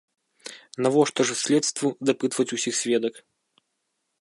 Навошта ж следству дапытваць усіх сведак?